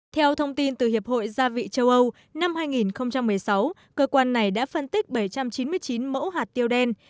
theo thông tin từ hiệp hội gia vị châu âu năm hai nghìn một mươi sáu cơ quan này đã phân tích bảy trăm chín mươi chín mẫu hạt tiêu đen